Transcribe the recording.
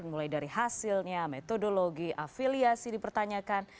mulai dari hasilnya metodologi afiliasi dipertanyakan